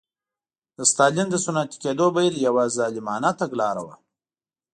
د ستالین د صنعتي کېدو بهیر یوه ظالمانه تګلاره وه